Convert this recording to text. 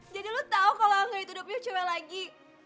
jadi lo tau kalau angga itu udah punya cewek lagi